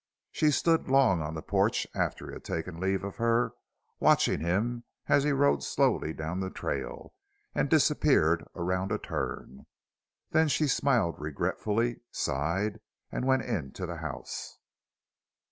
She stood long on the porch after he had taken leave of her, watching him as he rode slowly down the trail and disappeared around a turn. Then she smiled regretfully, sighed, and went into the house.